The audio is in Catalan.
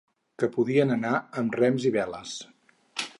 Que podien anar amb rems i veles.